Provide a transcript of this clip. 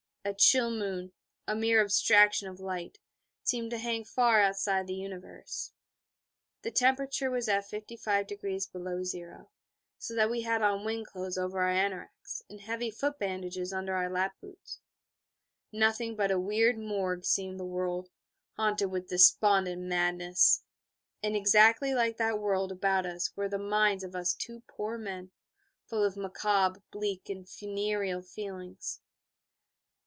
A chill moon, a mere abstraction of light, seemed to hang far outside the universe. The temperature was at 55° below zero, so that we had on wind clothes over our anoraks, and heavy foot bandages under our Lap boots. Nothing but a weird morgue seemed the world, haunted with despondent madness; and exactly like that world about us were the minds of us two poor men, full of macabre, bleak, and funereal feelings.